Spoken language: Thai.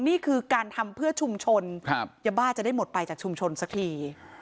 นี่คือการทำเพื่อชุมชนยาบ้าจะได้หมดไปจากชุมชนสักที